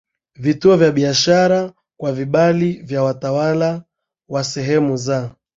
vituo vya biashara kwa vibali vya watawala wa sehemu za